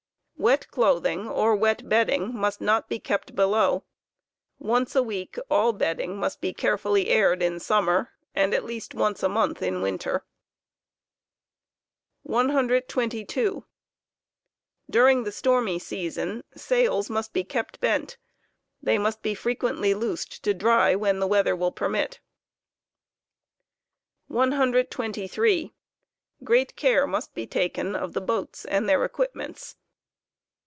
Wet clothing or wet bedding must not be kept below; once a week all bed car© of boa ding must be careftilly aired in summer, and at least once a month in winter. tajs?!* 11 * cloth ' 122. During the'stormy season siils must be kept bent; they must be frequently eaiia loosed to dry when the weather will permit must be bent 123. Great care must be taken of the boats and their equipments.